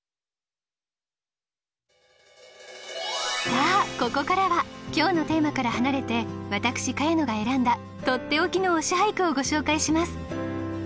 さあここからは今日のテーマから離れて私茅野が選んだとっておきの「推し俳句」をご紹介します。